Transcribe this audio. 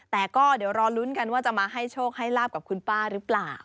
แต่ก็เดี๋ยวรอลุ้นกันว่าจะมาให้โชคให้ลาบกับคุณป้าหรือเปล่า